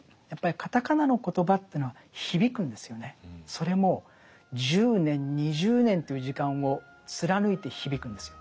それも１０年２０年という時間を貫いて響くんですよ。